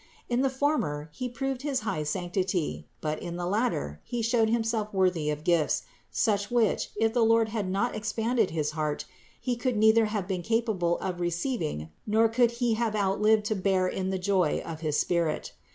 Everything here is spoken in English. In the former he proved his high sanctity; but in the latter he showed himself worthy of gifts, such which, if the Lord had not expanded his heart, he could neither have been capable of receiving nor could he have outlived to bear in the joy of his spirit.